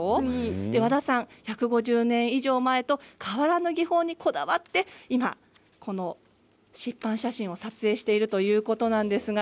和田さん、１５０年以上前と変わらない技法にこだわって湿板写真を撮影しているということです。